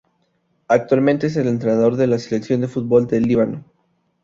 Actualmente es el entrenador de la selección de fútbol del Líbano.